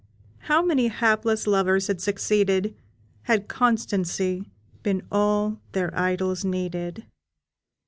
How many hapless lovers had succeeded, Had constancy been all their idols needed!